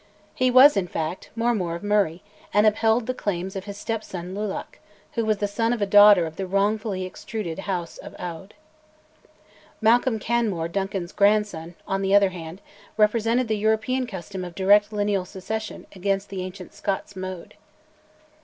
He was, in fact, Mormaor of Murray, and upheld the claims of his stepson Lulach, who was son of a daughter of the wrongfully extruded House of Aodh. Malcolm Canmore, Duncan's grandson, on the other hand, represented the European custom of direct lineal succession against the ancient Scots' mode.